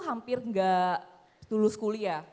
hampir gak lulus kuliah